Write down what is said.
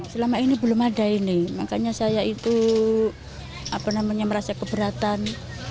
selama ini belum ada ini makanya saya itu merasa keberatan